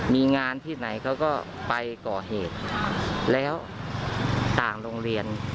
มีงานที่ไหนเขาก็ไปก่อเหตุแล้วต่างโรงเรียน